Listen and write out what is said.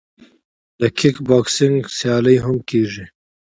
د کیک بوکسینګ سیالۍ هم کیږي.